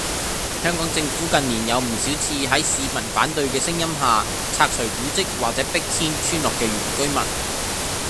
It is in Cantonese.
香港政府近年有唔少次喺市民反對嘅聲音下，拆除古蹟或者迫遷村落嘅原居民